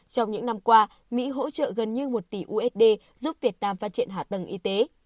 trong những năm qua mỹ hỗ trợ gần như một tỷ usd giúp việt nam phát triển hạ tầng y tế